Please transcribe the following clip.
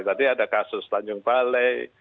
tadi ada kasus tanjung balai